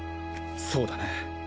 そうだね。